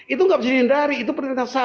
itu nggak bisa dihindari itu perintah sah